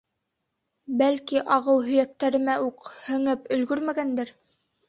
— Бәлки, ағыу һөйәктәремә үк һеңеп өлгөрмәгәндер?